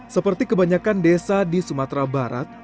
seperti kebanyakan desa di sumatera barat